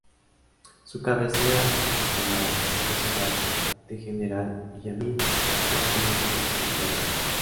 Su cabecera cantonal es la ciudad de General Villamil, más conocida como "Playas".